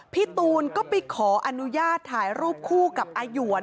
พี่ตูนก็ไปขออนุญาตถ่ายรูปคู่กับอาหยวน